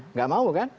nggak mau kan